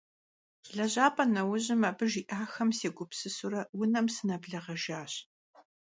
Lejap'e neujım abı jji'axem sêgupsısure vunem sınebleğejjaş.